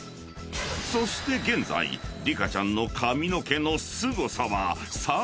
［そして現在リカちゃんの髪の毛のすごさは］